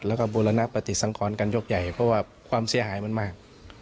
แล้วก็บูรณปฏิสังขรกันยกใหญ่เพราะว่าความเสียหายมันมาก